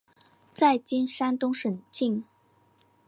在今山东省境。